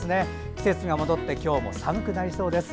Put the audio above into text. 季節が戻って今日も寒くなりそうです。